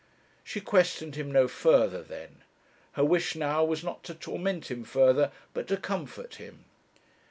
She questioned him no further then. Her wish now was not to torment him further, but to comfort him.